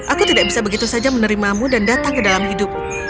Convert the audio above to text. aku tidak bisa begitu saja menerimamu dan datang ke dalam hidupmu